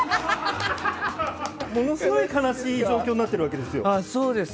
ものすごい悲しい状況になっているんですよ。